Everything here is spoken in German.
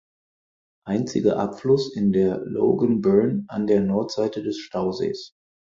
Einziger Abfluss ist der Logan Burn an der Nordseite des Stausees.